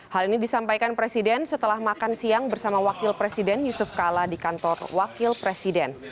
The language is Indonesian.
hal ini disampaikan presiden setelah makan siang bersama wakil presiden yusuf kala di kantor wakil presiden